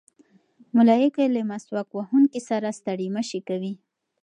ملایکې له مسواک وهونکي سره ستړې مه شي کوي.